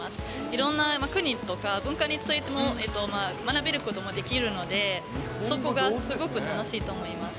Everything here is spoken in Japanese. いろんな国とか文化についても学べることもできるので、そこがすごく楽しいと思います。